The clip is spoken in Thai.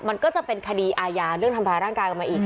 มันก็จะเป็นคดีอาญาเรื่องทำร้ายร่างกายกันมาอีก